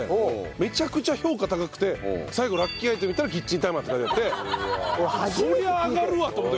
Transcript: めちゃくちゃ評価高くて最後ラッキーアイテム見たらキッチンタイマーって書いてあってそりゃ上がるわと思って。